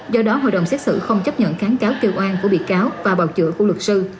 do đó hội đồng xét xử không chấp nhận kháng cáo kêu an của bị cáo và bầu chữa của luật sư